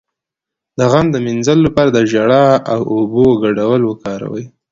د غم د مینځلو لپاره د ژړا او اوبو ګډول وکاروئ